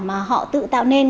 mà họ tự tạo nên